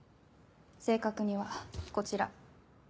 正確にはこちら。